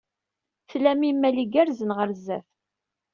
Tlam imal igerrzen ɣer sdat.